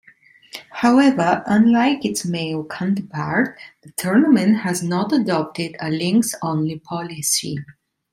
However unlike its male counterpart, the tournament has not adopted a links-only policy.